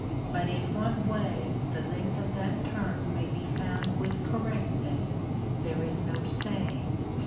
But in what way the length of that term may be found with correctness there is no saying.